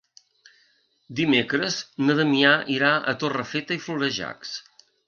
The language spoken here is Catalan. Dimecres na Damià irà a Torrefeta i Florejacs.